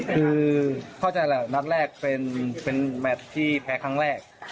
คือเข้าใจแหละนัดแรกเป็นแมทที่แพ้ครั้งแรก